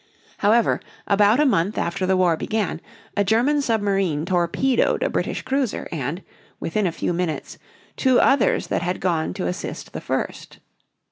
However, about a month after the war began, a German submarine torpedoed a British cruiser, and, within a few minutes, two others that had gone to assist the first.